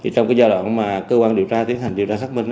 trong giai đoạn mà cơ quan điều tra tiến hành điều tra xác minh